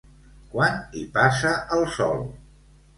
Quan hi passa el sol?